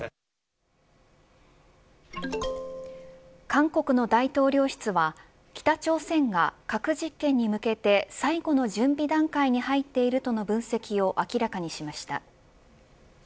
韓国の大統領室は北朝鮮が核実験に向けて最後の準備段階に入っているとの分析を明らかにしました。